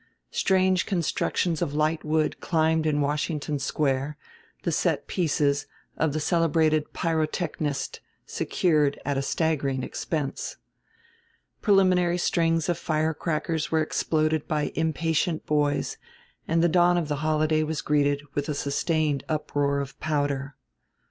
Strange constructions of light wood climbed in Washington Square the set pieces of the celebrated pyrotechnist secured at a "staggering expense." Preliminary strings of firecrackers were exploded by impatient boys and the dawn of the holiday was greeted with a sustained uproar of powder.